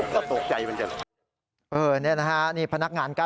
ก็ตกใจจริง